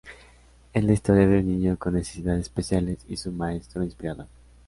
Es la historia de un niño con necesidades especiales y su maestro inspirador.